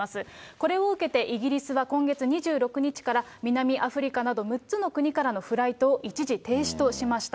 これを受けて、イギリスは今月２６日から南アフリカなど６つの国からのフライトを一時停止としました。